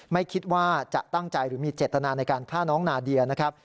ไม่คิดว่าจะตั้งใจหรือมีเจตนาในการฆ่าน้องนาเดียนะครับ